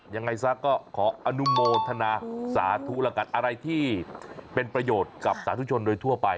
ยังไงซะก็ขออนุโมทนาสาธุแล้วกันอะไรที่เป็นประโยชน์กับสาธุชนโดยทั่วไป